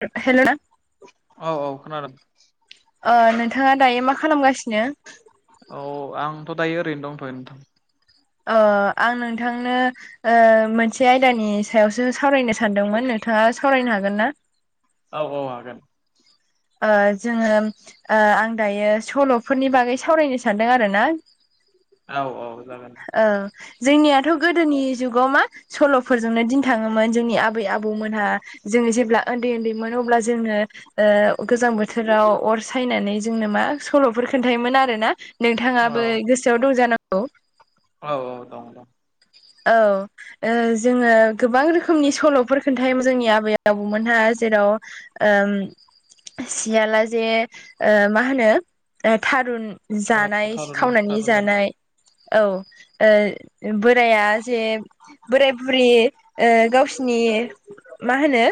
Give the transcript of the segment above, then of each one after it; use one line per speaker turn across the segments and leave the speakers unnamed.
[unintelligible] हेल'।
औ औ खोनादों।
ओ नोंथाङा दायो मा खालामगासिनो?
औ आंथ' दायो ओरैनो दंथ'यो नोंथां।
ओ आं नोंथांनो ओ मोनसे आयदानि सायावसो सावरायनो सानदोंमोन। नोंथाङा सावरायनो हागोन ना?
औ औ हागोन।
ओ जोङो ओ आं दायो सल'फोरनि बागै सावरायनो सानदों आरो ना।
औ औ जागोन।
ओ‌ जोंनियाथ' गोदोनि जुगाव मा सल'फोरजोंनो दिन थाङोमोन जोंनि आबै आबौमोनहा जोङो जेब्ला उन्दै उन्दैमोन अब्ला जोङो ओ गोजां बोथोराव अर सायनानै जोंनो मा सल'फोर खोन्थायोमोन आरोना।
औ
नोंथाङाबो गोसोआव दं जानांगौ।
औ औ दं दं।
औ। ओ जोङो गोबां रोखोमनि सल'फोर खोनथायोमोन जोंनि आबै आबौमोनहा जेराव ओम सियालाजे ओ माहोनो ओ थारुन
औ
जानाय
थारैनो
खावनानै
थारैनो जागोन
जानाय औ। बोराया जे बोराय बुरि ओ गावसिनि मा होनो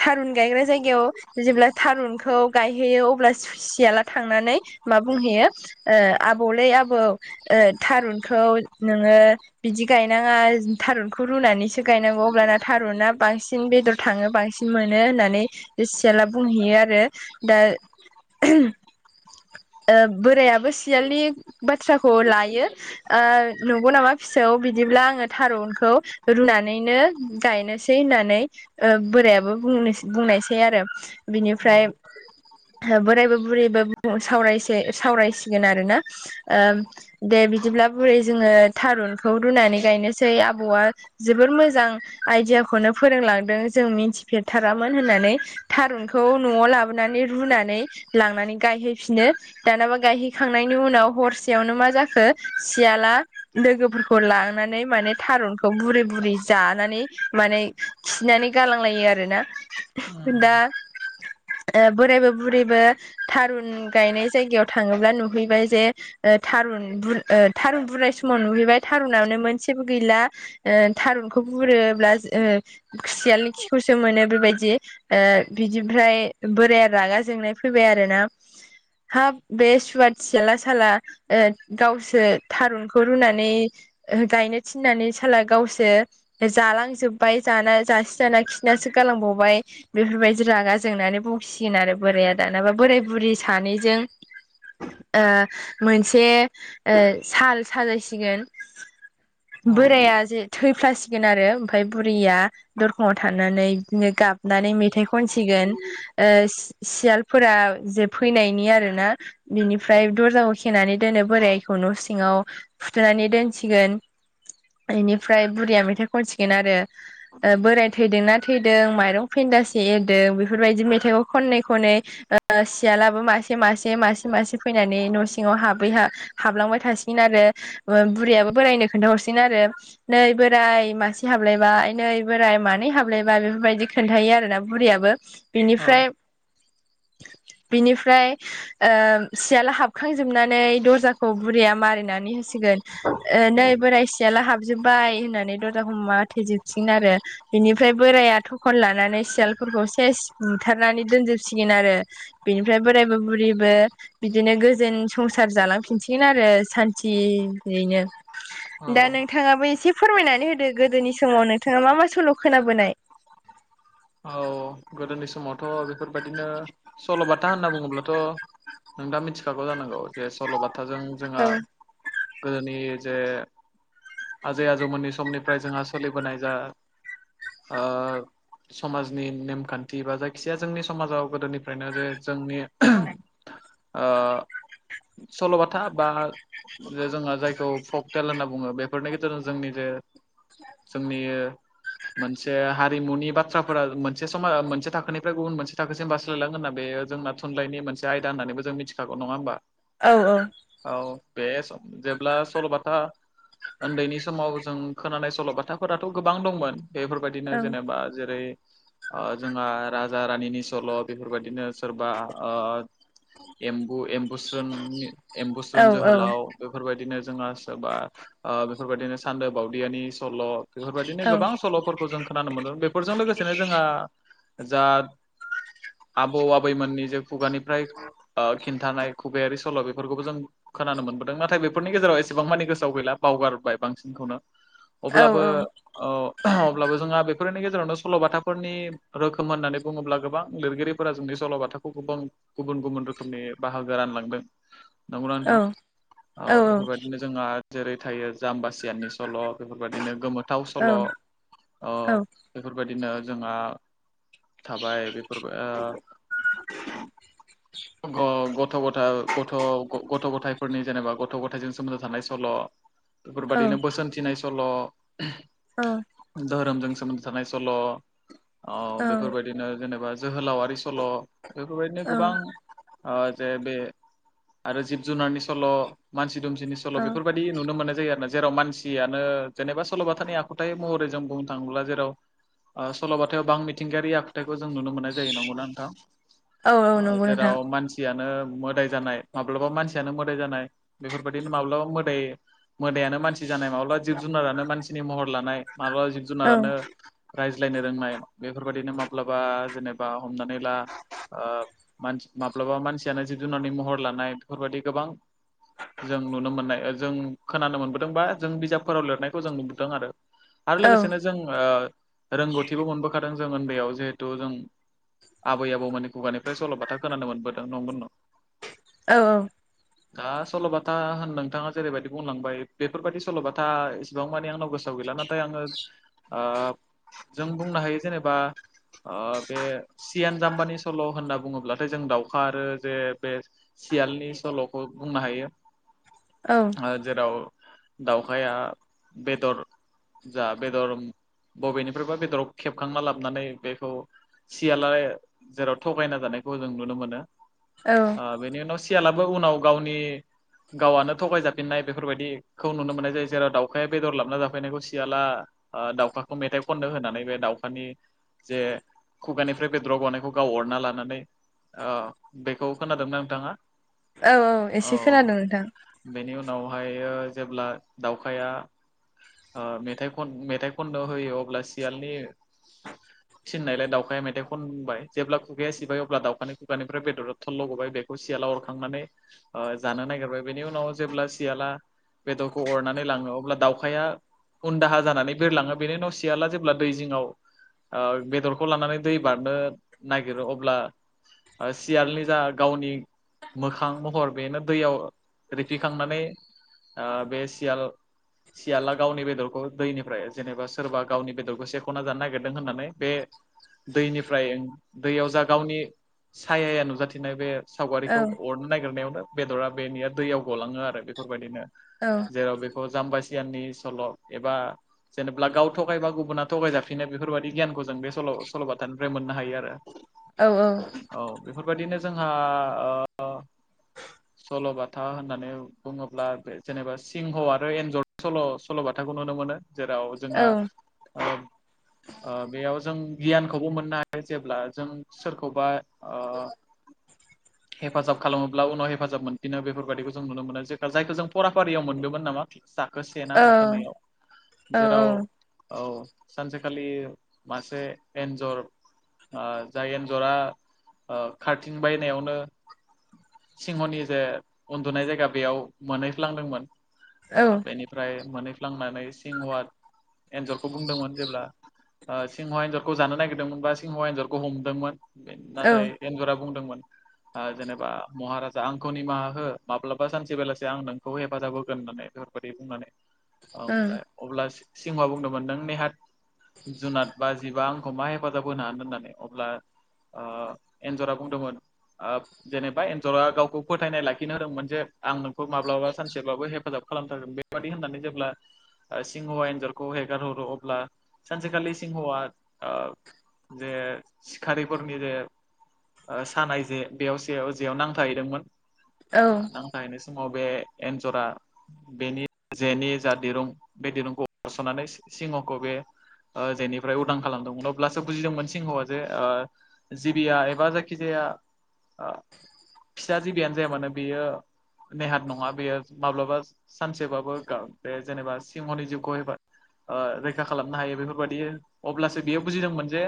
थारुन गायग्रा जायगायाव जेब्ला थारुनखौ गायहैयो अब्ला सियाला थांनानै मा बुंहैयो ओ आबौलै आबौ ओ थारुनखौ नोङो बिदि गायनाङा थारुनखौ रुनानैसो गायनांगौ अब्लाना थारुना बांसिन बेदर थाङो बांसिन मोनो होननानै सियाला बुंहैयो आरो दा ओहम ओ बोरायाबो सियालनि बाथ्राखौ लायो ओ नंगौ नामा फिसौ बिदिब्ला आङो थारुनखौ रुनानैनो गायनोसै होननानै ओ बोरायाबो बुंनो बुंनायसै आरो
औ
बिनिफ्राय बोरायबो बुरैबो सावरायसे सावरायसिगोन आरोना ओ दे बिदिब्ला बुरै जोङो थारुनखौ रुनानै गायनोसै आबौआ जोबोर मोजां आइदियाखौनो फोरोंलांदों जों मिन्थिफेरथारामोन होननानै थारुनखौ न'आव लाबोनानै रुनानै लांनानै गायहैफिनो दानाबा गायहैखांनायनि उनाव हरसेयावनो मा जाखो सियाला लोगोफोरखौ लांनानै माने थारुनखौ बुरै बुरै जानानै माने खिनानै गालांलायो आरोना
उम
दा
उम
ओ बोरायबो बुरैबो थारुन गायनाय जायगायाव थाङोब्ला नुहैबाय जे ओ थारुन बुर ओ थारुन बुरनाय सु समाव नुहैबाय थारुनावनो मोनसेबो गैला थारुनखौ बुरोब्ला ओ खुसियालनि खिखौसो मोनो बेबायदि ओ बिदिफ्राय बोराया रागा जोंनाय फैबाय आरोना हाब बे सुवाद सियाला साला गावसो थारुन खौ रुनानै गायनो थिन्नानै साला गावसो जालांजोबबाय जाना जासि जाना खिनासो गालांबावबाय बेफोरबायदि रागा जोंनानै बुंसिगोन आरो बोराया दानाबा बोराय बुरि सानैजों ओ मोनसे ओ साल सालायसिगोन
औ
बोराया जे थैफ्लासिगोन आरो ओमफ्राय बुरैया दरखंआव थानानै बिदिनो गाबनानै मेथाइ खनसिगोन ओ सियालफोरा जे फैनायनि आरो ना बिनिफ्राय दर्जाखौ खेनानै दोनो बोरायखौ न' सिङाव फुुथुनानै दोनसिगोन बेनिफ्राय बुरिया मेथाइ खनसिगोन आरो ओ बोराय थैदोंना थैदों माइरं फेन्दासे एरदों बेफोरबायदि मेथाइखौ खनै खनै ओ सियालाबो मासे मासे मासे मासे फैनानै न' सिङाव हाबैहा हाबलांबाय थासिगोन आरो बुरैयाबो बोरायनो खोन्थाहरसिगोन आरो नै बोराइ मासे हाबलायबाय नै बोराइ मानै हाबलायबाय बेफोरबायदि खोन्थायो आरोना बुरियाबो
औ
बिनिफ्राय बिनिफ्राय ओ सियाल हाबखांजोबनानै दर्जाखौ बुरैया मारिनानै होसि गोन ओ नै बोराय सियाल हाबजोबबाय होननानै दरजाखौ माथेजोबसिगोन आरो बेनिफ्राय बोराया थखन लानानै सियालफोरखौ सेस बुथारनानै दोनजोबसिगोन आरो बिनिफ्राय बोरायबो बुरिबो बिदिनो गोजोन संसार जालांफिनसिगोन आरो सान्थियैनो दा
औ
नोंथाङाबो एसे फोरमायनानै होदो गोदोनि समाव नोंथाङा मा मा सल' खोनाबोनाय
औ गोदोनि समावथ' बेफोरबायदिनो सल'बाथा होनना बुङोब्लाथ' नों दा मिथिखागौ जानांगौ जे सल'बाथाजों जोंहा
औ
गोदोनि जे आजै आजौमोननि समनिफ्राय जोंहा सोलिबोनाय जा ओ समाजनि नेम खान्थि बा जायखिजाया जोंनि समाजाव गोदोनिफ्रायनो जे जोंनि ओ सल'बाथा बा जे जोंहा जायखौ फक टेल होनना बुङो बेफोरनि गेजेरजों जोंनि जे जोंनि मोनसे हारिमुनि बाथ्राफोरा मोनसे मा मोनसे थाखोनिफ्राय गुबुन मोनसे थाखोसिम बास्लायलांगोन होनना बेयो जोंना थुनलाइनि मोनसे आयदा होननानैबो जों मिथि नङा होमबा
औ औ
औ बे सम जेब्ला सलबाथा ओन्दैनि समाव जों खोनानाय सल'बाथाफोराथ' गोबां दंमोन
औ
बेफोरबायदिनो जेनेबा जेरै ओ जोंहा राजा रानिनि सल' बेफोरबायदिनो सोरबा ओ एम्बु एमबुस्रोन
औ
एम्बुस्रोन जोहोलाव बेफोरबायदिनो जोंहा सोबा ओ बेफोरबायदिनो सान्दो बावदियानि सल' बेफोरबायदिनो गोबां सल'फोरखौ जों खोनानो मोनदोमोन बेफोरजों लोगोसेनो जोंहा जा आबौ आबैमोननि जे खुगानिफ्राय ओ खिन्थानाय खबायारि सल' बेफोरखौबो जों खोनानो मोनबोदों नाथाय बेफोरनि गेजेराव एसेबां मानि गोसोआव गैला बावगारबाय बांसिनखौनो
औ
अब्लाबो औ अब्लाबो जोंहा बेफोरनि गेजेरावनो सल'बाथाफोरनि रोखोम होननानै बुङोब्ला गोबां लिरगिरिफोरा जोंनि सल'बाथाखौ गोबां गुबुन गुबुन रोखोमनि बाहागो रानलांदों नंगौना नोंथां
औ
औ बेफोरबायदिनो जोंहा जेरै थायो जाम्बासियाननि सल' बेफोरबायदिनो गोमो थाव
औ
सल' ओ
औ
बेफोरबायदिनो जोंहा थाबाय बेफोर ओ ग-गथ गथ' गथाय गथ' गथाय गथ' गथायफोरनि जेनेबा गथ' गथायाइजों सोमोन्दो थानाय सल'
औ
बेफोरबायादिनो बोसोनथिनाय सल'
अ
धोरोमजों सोमोन्दो थानाय सल' औ बेफोरबायदिनो जेनेबा जोहोलावारि सल' बेफोरबायदिनो
औ
गोबां ओ जे बे आरो जिब जुनारनि सल' मानसि दुमसिनि
औ
सल' बेफोरबायदि दि नुनो मोननाय जायो आरोना जेराव मानसियानो जेनेबा सल'बाथानि आखुथाय महरै जों बुंनो थाङोब्ला जेराव ओ सल'बाथ याव बां मिथिंगायारि आखुथायखौ जों नुनो मोननाय जायो नंगौना नोंथां
औ
ओ
नंगौ नोंथां
जेराव मानसि सियानो मोदाय जानाय माब्लाबा मानसियानो मोदाय जानाय बेफोरबायादिनो माब्लाबा मोदाय मोदायानो मानसि जानाय माब्लाबा जिब जुनारानो मानसिनि महर लानाय मालाबा जिब
औ
जुनारानो रायज्लायनो रोंनाय बेफोरबायादिनो माब्लाबा जेनेबा हमनानै ला ओ माब्लाबा मानसियानो जिब जुनारनि महर लानाय बेफोरबाददि गोबां जों नुनो मोननाय जों खोनानो मोनबोदोंबा जों बिजाबफोराव लिरनायखौ जों नुबोदों आरो आरो
औ
लोगोसेनो जों ओ रोंगौथिबो मोनबोखादों जों उन्दैयाव जिहेथु जों आबै आबौमोनानि खुगानिफ्राय सल'बाथा खोनानो मोनबोदों नंगौ न'
औ औ
[unintelligible] दा सल'बाथा होन नोंथाङा जेरैबायदि बुंलांबाय बेफोरबायदि सल'बाथा इसेबां मानि आंनाव गोसोआव गैला ना नाथाय आङो ओ जों बुंनो हायो जेनेबा ओ बे सियान जाम्बानि सल' होनना बुङोब्लाथाय जों दाउ खारो जे बे सियालनि सल'खौ बुंनो हायो
औ
ओ जेराव दाउखाया बेदर जा बेदर बबेनिफ्रायबा बेदराव खेब खांना लाबोनानै बेखौ सियाला जेराव थगायना जानायखौ जों नुनो मोनो
औ
ओ बेनि उनाव सियालाबो उनाव गावनि गावआनो थगायज जाफिननाय बेफोरबायदिखौ नुनो मोननाय जायो जेराव दावखाया बेदर लाबोना जाफैनायखौ सियाला। ओ दाउखाखौ मेथाइ खननो होनानै बे दाउ बिफानि जे खुगानिफ्राय बेदराव गनायखौ गाव अरना लानानै। अ बेखौ खोनादोंमोनना नोंथाङा
औ औ एसे खोनादों
औ
नोंथां।
बेनि उनावहाय जेब्ला दाउखाया। मेथाइ खन मेथाइ खननो होयो अब्ला सियालनि सथननायलाय दावखाया मेथाइ खनबाय जेब्ला खुगाया सिबाय अब्ला दाउखानि खुगानिफ्राय बेदर थल' गबाय बे खौ सियाला अरखांनानै जानो नागिरबाय बेनि उनाव जेब्ला सियाला बेदरखौ अरनानै लाङो अब्ला दाउखाया। उन दाहा जानानै बेरलाङो बेनि उनाव सियाला जेब्ला दै जिङआव बेदरखौ लानानै दै बारनो नागिरो अब्ला। सियालनि जा गावनि मोखां महर बेनो दैयाव रिखिखांनानै बे सियाल। सियाला गावनि बेदरखौ दैनिफ्राय जेनेबा सोरबा गावनि बेदरखौ सेखना जानो नागिर। नागिरदों होननानै बे। दैनिफ्राय दैयाव जा गावनि सायाया नुजाथिनाय बे
औ
सावगारिखौ अरनो नागिरनायावनो बेदरा बेनिया दैयाव गलाङो आरो बेफोरबायदिनो
औ
जेराव बेखौ जाम्बा सियाननि सल' एबा जेनेबा गाव थगायबा गुबुना थगायजाथों। बिखायनो बेफोरबायादि गियानखौ जों बे सल' सल'बाथानिफ्राय मोननो हायो आरो
औ औ
औ बेफोरबायदिनो जोंहा। सल'बाथा होननानै बुङोब्ला बे जेनेबा सिंह आरो एन्जर सल' सल'बाथाखौ नुनो मोनो। जेराव
औ
जोंहा। बेयाव जों गियानखौबो मोननो हायो जेब्ला जों सोरखौबा। [inaudible] हेफाजाब खालामोब्ला उनाव हेफाजाब मोनफिनो बेफोरबायादिखौ जों नुनो मोनो जाय जायखौ जों फराफारियाव मोनदोंमोन नामा। साखो से ना
औ ओम
थाखोनायाव
औ
जेराव औ सानसे। खालि मासे एन्जर जाय एन्जरा खारथिं बायनायावनो। सिंहनि जे उन्दुनाय जायगा बेयाव मोनहैफ्लांदोंमोन।
औ
बेनिफ्राय मोनहैफ्लांनानै सिंह आ एन्जरखौ बुंदोंमोन जेब्ला सिंहा एन्जरखौ जानो नागिरदोंमोन बा सिंह एन्जरखौ हमदोंमोन नाथाय। एन्जरा बुंदोंमोन। जेनेबा महाराजा आंखौ निमाहा हो माब्लाबा सानसे बेलासे आं नोंखौ हेफाजाब होगोन होननानै। बुंनानै ओमफ्राय अब्ला सिंह आव बुंदों मोनदों नेहाथ जुनाद बा जिबा आंखौ मा हेफाजाब होनो हागोन होननानै अब्ला एन्जरा बुंदोंमोन। जेनेबा एन्जरा गावखौ फोथायनाय लाखिनो होदोंमोन जे आं नोंखौ माब्लाबा सानसेब्लाबो हेफाजाब। खालामथारगोन बेबादि होननानै जेब्ला सिंहवा एन्जरखौ हेगारहरो अब्ला सानसेखालि सिंहआ जे सिखारिफोरनि जे। सानाय जे बेयाव जेयाव नांथाहैदोंमोन।
औ
नायनाय समाव बे एन्जरा बेनि जेनि जा दिरुं बे दिरुंखौ हरस'नानै सिंहखौ बे। जेनिफ्राय उदां खालामदोंमोन अब्लासो बुजिदोंमोन सिंहआ जे ओ जिबिया एबा जायखिजाया फिसा जिबियानो जाया मानो बेयो। नेहाथ नङा बेयो माब्लाबा सानसेबाबो गार बे जेनेबा सिंहनि जिउखौ हबा। ओ रैखा खालामनो हायो बेफोरबायदि अब्लासो बेयो बुजिदोंमोन जे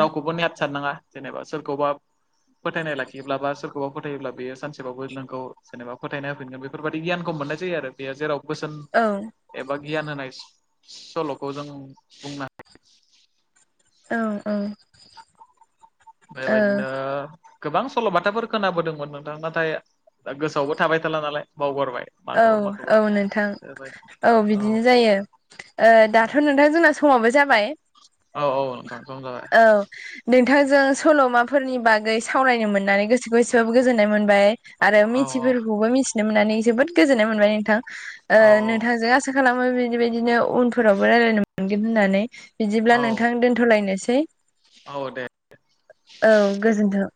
रावखौबो नेहाथ साननांङा जेनेबा सोरखौबा फोथायनाय लाखिब्ला बा सोरखौबा फोथायोब्ला बेयो सानसेबबो नोंखौ जेनेबा फथायनाय होफिनगोन बे बेफोरबायाददि गियानखौ मोननाय जायो आरो बेयो जेराव बोसोन
औ
एबा गियान होनाय सल'खौ जों बुंनो
औ औ।
बे बायदिनो गोबां सल'बाथाफोर खोनाबोदोंमोन नोंथां नाथाय गोसोआवबो थाबाय थाला नालाय बावगारबाय।
औ
माखौबा माखौबा
औ नोंथां
बेबायदि
औ बिदिनो जायो। ओ दाथ' नोंथां जोंना समावबो जाबाय?
औ औ नोंथां सम जाबाय।
औ नोंथांजों सल'माफोरनि बागै सावरायनो मोननानै गोसोखौ एसेबाबो गोजोननाय मोनबाय। आरो
औ
मिथियैफोरखौबो मिथिनो मोननानै जोबोद गोजोननाय मोनबाय नोंथां ओ
औ
नोंथांजों आसा खालामो बिबायदिनो उनफोरावबो रायज्लायनो मोनगोन होननानै बिदिब्ला
औ
नोंथां दोन थ'लायनोसै।
औ दे।
औ गोजोन्थों।